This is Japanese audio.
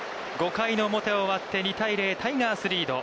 ５回表終わって２対０、タイガースリード。